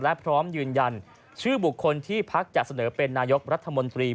และพร้อมยืนยันชื่อบุคคลที่พักจะเสนอเป็นนายกรัฐมนตรี